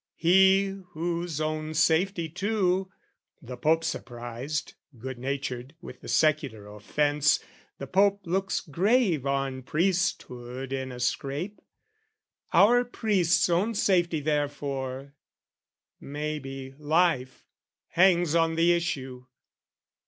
He whose own safety too, (the Pope's apprised Good natured with the secular offence, The pope looks grave on priesthood in a scrape) Our priest's own safety therefore, may be life, Hangs on the issue!